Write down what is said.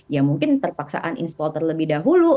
ya mungkin terpaksaan install terlebih dahulu